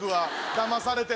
だまされて。